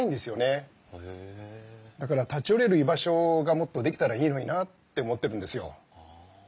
だから立ち寄れる場所がもっとできたらいいのになって思ってるんですよ。